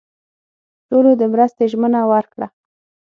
ټولو د مرستې ژمنه ورکړه.